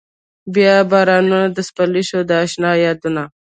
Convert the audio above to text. بيا بارانونه د سپرلي شو د اشنا يادونه